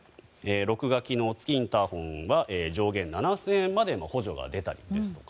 録画機能付きインターホンは上限７０００円まで補助が出たりですとか